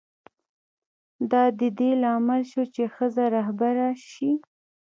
دا د دې لامل شو چې ښځه رهبره شي.